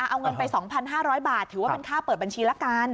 เอาเงินไปสองพันห้าร้อยบาทถือว่าเป็นค่าเปิดบัญชีละกัน